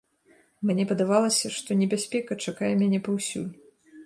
Мне падавалася, што небяспека чакае мяне паўсюль.